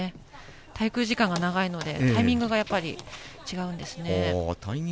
滞空時間が長いのでタイミングが違うんですね。